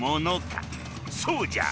そうじゃ！